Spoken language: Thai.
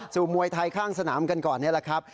มวยไทยข้างสนามกันก่อนนี่แหละครับ